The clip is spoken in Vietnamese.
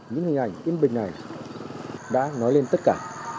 những hình ảnh yên bình này đã nói lên tất cả